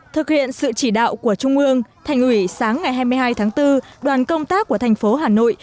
thực hiện sự chỉ đạo của trung ương thành ủy sáng ngày hai mươi hai tháng bốn đoàn công tác của thành phố hà nội